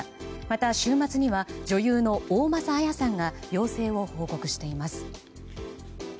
また、週末には女優の大政絢さんが陽性を報告しています。